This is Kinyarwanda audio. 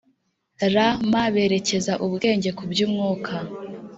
Rm berekeza ubwenge ku by umwuka